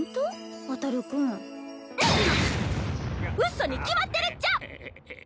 嘘に決まってるっちゃ！